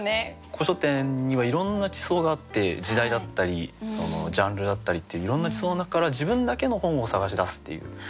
古書店にはいろんな地層があって時代だったりジャンルだったりっていういろんな地層の中から自分だけの本を探し出すっていう。